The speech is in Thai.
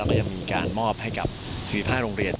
เราก็ยังมีการมอบให้กับศรีภาคโรงเรียน